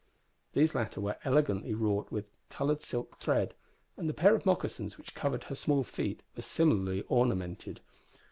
These latter were elegantly wrought with coloured silk thread, and the pair of moccasins which covered her small feet were similarly ornamented.